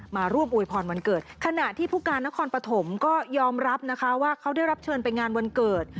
มาร่วมอวยพรวันเกิดขณะที่ผู้การนครปฐมก็ยอมรับนะคะว่าเขาได้รับเชิญไปงานวันเกิด